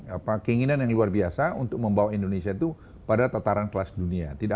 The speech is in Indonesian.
apa keinginan yang luar biasa untuk membawa indonesia itu pada tataran kelas dunia tidak